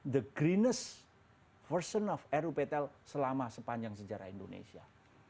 the greenest version of ruptl selama sepanjang sejarah indonesia